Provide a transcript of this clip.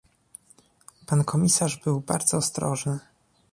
Pan komisarz był bardzo ostrożny